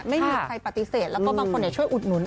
ไม่มีใครปฏิเสธแล้วก็บางคนช่วยอุดหนุน